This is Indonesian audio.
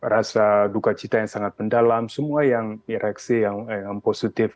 rasa duka cita yang sangat mendalam semua yang direksi yang positif